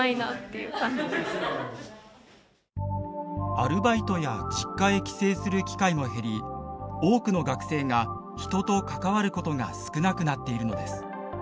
アルバイトや実家へ帰省する機会も減り多くの学生が人と関わることが少なくなっているのです。